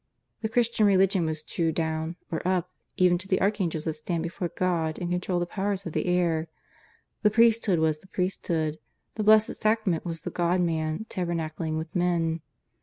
The Christian religion was true down (or up) even to the Archangels that stand before God and control the powers of the air. The priesthood was the priesthood; the Blessed Sacrament was the God Man tabernacling with men.